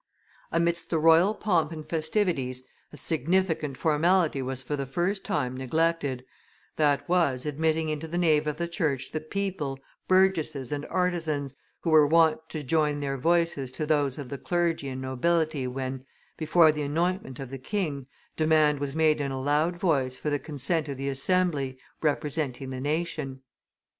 Amidst the royal pomp and festivities, a significant formality was for the first time neglected; that was, admitting into the nave of the church the people, burgesses and artisans, who were wont to join their voices to those of the clergy and nobility when, before the anointment of the king, demand was made in a loud voice for the consent of the assembly, representing the nation.